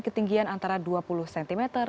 ketinggian antara dua puluh cm